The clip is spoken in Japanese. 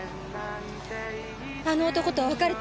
あの男とは別れて。